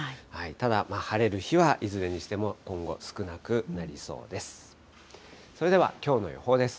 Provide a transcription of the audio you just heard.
ただ晴れる日はいずれにしても今後、少なくなりそうです。